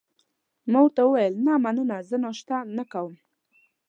ما ورته وویل: نه، مننه، زه ناشته نه کوم.